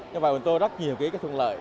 nhưng mà mình tôi rất nhiều thuận lợi